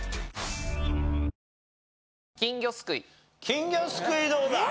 金魚すくいどうだ？